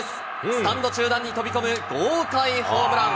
スタンド中段に飛び込む豪快ホームラン。